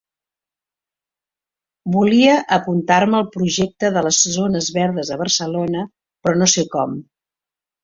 Volia apuntar-me al projecte de les zones verdes de Barcelona, però no sé com.